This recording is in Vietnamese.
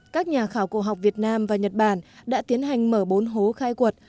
các nhà khảo cổ học việt nam và nhật bản đã tiến hành mở bốn hố khai quật